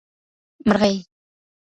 مرغۍ 🐦